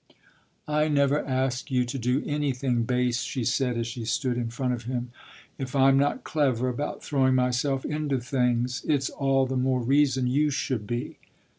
"I never asked you to do anything base," she said as she stood in front of him. "If I'm not clever about throwing myself into things it's all the more reason you should be."